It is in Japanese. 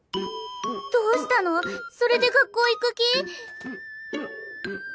どうしたの⁉それで学校行く気？